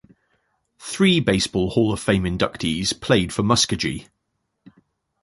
Three Baseball Hall of Fame inductees played for Muskogee.